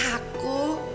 masa anak aku